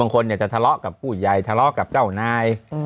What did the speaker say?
คนจะทะเลาะกับผู้ใหญ่ทะเลาะกับเจ้านาย